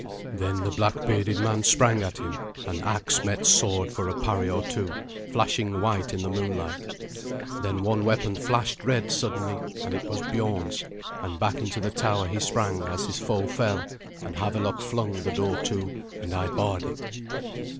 Then the black bearded man sprang at him, and axe met sword for a parry or two, flashing white in the moonlight. Then one weapon flashed red suddenly, and it was Biorn's, and back into the tower he sprang as his foe fell, and Havelok flung the door to, and I barred it.